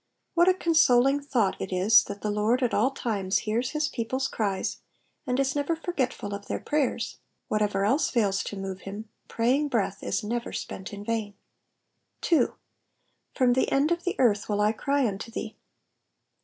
What a consoling thought it is that the Lord at all times hears his people's cries, and is never forgetful of their prayers ; whatever else fails to move him, praying breath is never spent in vain ! 2. ^^From the end of the earth will I cry unto thee.'